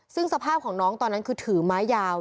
ซึ่งสภาพของน้องตอนนั้นคือถือไม้ยาว